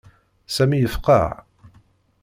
Sami yefqeɛ.